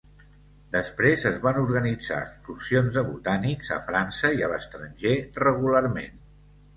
Després, es van organitzar excursions de botànics, a França i a l'estranger, regularment.